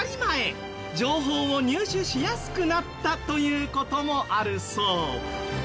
情報を入手しやすくなったという事もあるそう。